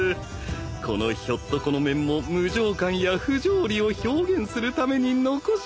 このひょっとこの面も無情感や不条理を表現するために残しました。